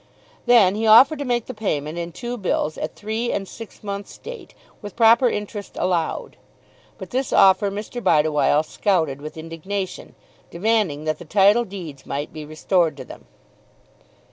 Then he offered to make the payment in two bills at three and six months' date, with proper interest allowed. But this offer Mr. Bideawhile scouted with indignation, demanding that the title deeds might be restored to them.